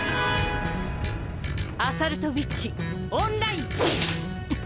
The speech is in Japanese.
アサルトウィッチオンライン。